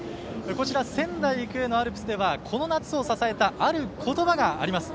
こちら、仙台育英のアルプスではこの夏を支えたある言葉があります。